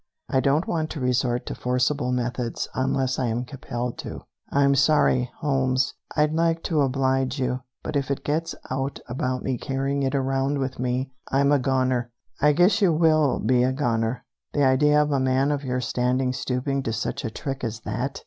"I don't want to resort to forcible methods unless I am compelled to." "I'm sorry, Holmes. I'd like to oblige you, but if this gets out about me carrying it around with me, I'm a goner." "I guess you will be a goner. The idea of a man of your standing stooping to such a trick as that!